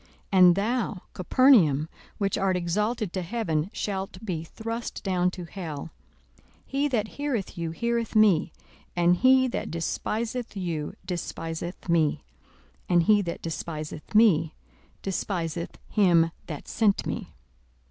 42:010:015 And thou, Capernaum, which art exalted to heaven, shalt be thrust down to hell. 42:010:016 He that heareth you heareth me; and he that despiseth you despiseth me; and he that despiseth me despiseth him that sent me.